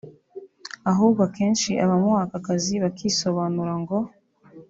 ahubwo akenshi abamuha aka kazi bakisobanura ngo